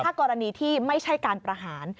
ถ้ากรณีที่ไม่ใช่การประหาร